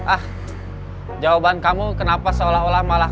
ah jawaban kamu kenapa seolah olah malah